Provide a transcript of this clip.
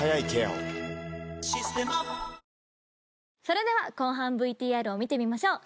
それでは後半ＶＴＲを見てみましょう。